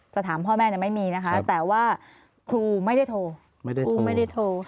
จะถามพ่อแม่จะไม่มีนะคะแต่ว่าครูไม่ได้โทรไม่ได้โทร